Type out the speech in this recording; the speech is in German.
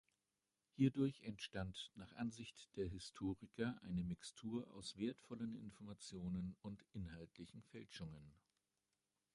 Hierdurch entstand nach Ansicht der Historiker eine Mixtur aus wertvollen Informationen und inhaltlichen Fälschungen.